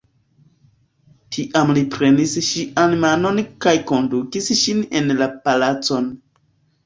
Tiam li prenis ŝian manon kaj kondukis ŝin en la palacon.